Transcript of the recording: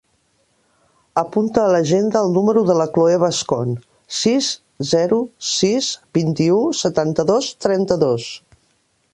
Apunta a l'agenda el número de la Cloè Bascon: sis, zero, sis, vint-i-u, setanta-dos, trenta-dos.